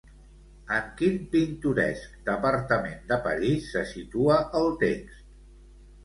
En quin pintoresc departament de París se situa el text?